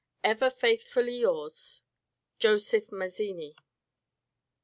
Ever faithfully yours, Joseph Mazzini.